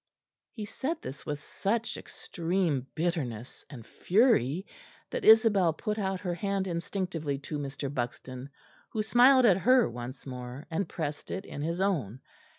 He said this with such extreme bitterness and fury that Isabel put out her hand instinctively to Mr. Buxton, who smiled at her once more, and pressed it in his own.